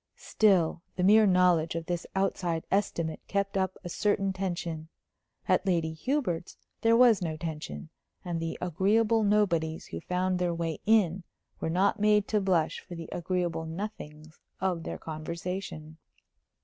Still, the mere knowledge of this outside estimate kept up a certain tension. At Lady Hubert's there was no tension, and the agreeable nobodies who found their way in were not made to blush for the agreeable nothings of their conversation.